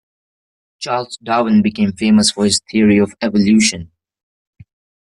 Charles Darwin became famous for his theory of evolution.